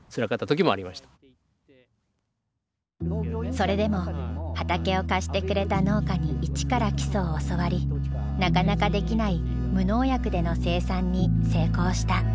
それでも畑を貸してくれた農家に一から基礎を教わりなかなかできない無農薬での生産に成功した。